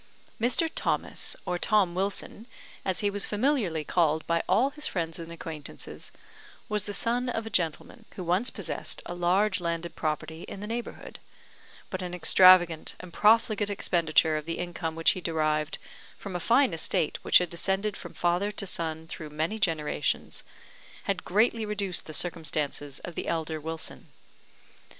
Mr. Thomas, or Tom Wilson, as he was familiarly called by all his friends and acquaintances, was the son of a gentleman, who once possessed a large landed property in the neighbourhood; but an extravagant and profligate expenditure of the income which he derived from a fine estate which had descended from father to son through many generations, had greatly reduced the circumstances of the elder Wilson.